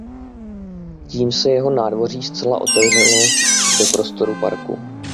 Tím se jeho nádvoří zcela otevřelo do prostoru parku.